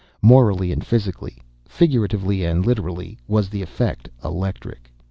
Morally and physically—figuratively and literally—was the effect electric.